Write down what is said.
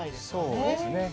そうですね。